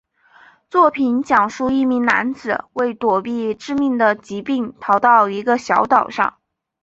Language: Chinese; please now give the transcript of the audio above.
作品讲述一名男子为躲避致命的疾病逃到一个小岛上。